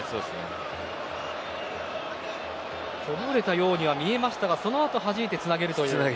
とられたように見えましたがそのあと、はじいてつなげるという。